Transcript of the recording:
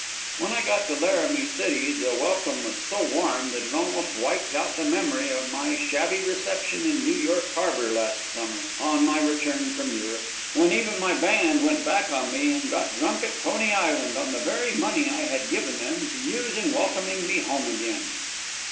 When I got to Laramie City the welcome was so warm that it almost wiped out the memory of my shabby reception in New York harbor last summer, on my return from Europe, when even my band went back on me and got drunk at Coney Island on the very money I had given them to use in welcoming me home again.